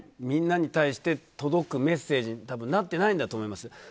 みんなに対して届くメッセージになってないんだと思います。